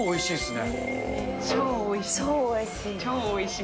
超おいしい。